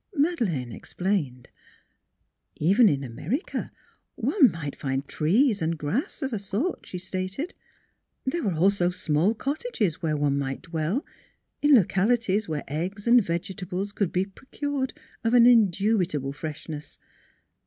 Madeleine explained. Even in America one might find trees and grass, of a sort, she stated. There were also small cot NEIGHBORS 129 tages, where one might dwell, in localities where eggs and vegetables could be procured of an in dubitable freshness.